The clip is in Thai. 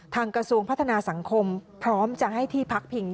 กระทรวงพัฒนาสังคมพร้อมจะให้ที่พักพิง